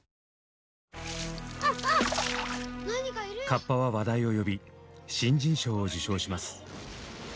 「河童」は話題を呼び新人賞を受賞します。